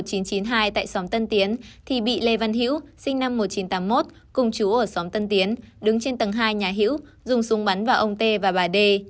khi đăng xây từng rào cho gia đình con trai là anh lê văn vê sinh năm một nghìn chín trăm tám mươi một trú tại xóm tân tiến bị lê văn hữu sinh năm một nghìn chín trăm tám mươi một cùng chú ở xóm tân tiến đứng trên tầng hai nhà hữu dùng súng bắn vào ông tê và bà đê